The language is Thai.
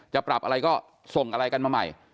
จะปรับอะไรก็ส่งอะไรกันมาใหม่